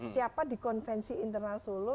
siapa di konvensi internal solo